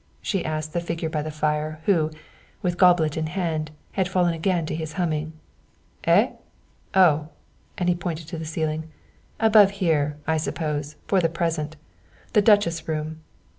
she asked the figure by the fire, who, with goblet in hand, had fallen again to his humming. "Eh oh," and he pointed to the ceiling. "Above here, I suppose, for the present the Duchess room.